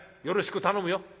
よろしく頼むよ」。